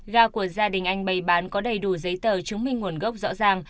gà của gia đình anh bày bán có đầy đủ giấy tờ chứng minh nguồn gốc rõ ràng